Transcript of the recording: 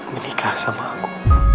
menikah sama aku